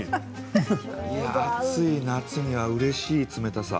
暑い夏にはうれしい冷たさ。